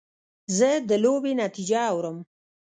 زه د لوبې نتیجه اورم.